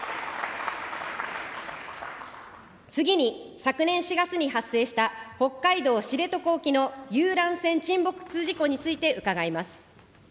次に昨年４月に発生した、北海道知床沖の遊覧船沈没事故について伺います。